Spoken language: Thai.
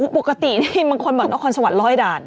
ปกตินี่มันคอนบาลมันคอนสวรรค์๑๐๐ดาล